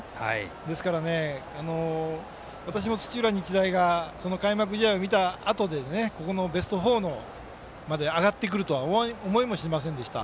ですから、私も土浦日大がその開幕試合を見たあとでここのベスト４まで上がってくるとは思いもしませんでした。